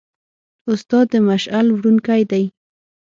استاد د مشعل وړونکی دی.